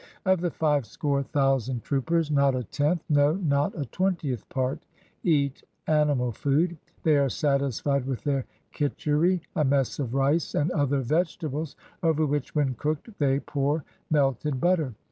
Of the five score thousand troopers, not a tenth, no, not a twentieth part, eat animal food; they are satisfied with their kichery, a mess of rice and other vegetables, over which, when cooked, they pour melted butter.